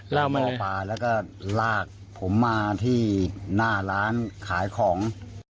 ลากผมมาที่หน้าร้านขายของ